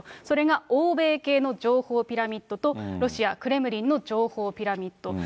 それが欧米系の情報ピラミッドとロシア・クレムリンの情報ピラミッド。